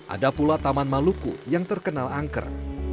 ada pula taman maluku yang terkenal angker